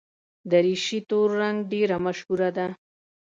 دریشي تور رنګ ډېره مشهوره ده.